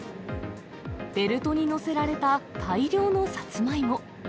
ベルトに載せられた大量のサツマイモ。